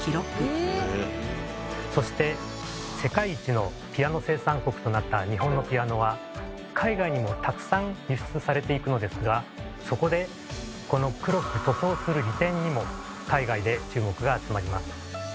そして世界一のピアノ生産国となった日本のピアノは海外にもたくさん輸出されていくのですがそこでこの「黒く塗装する利点」にも海外で注目が集まります。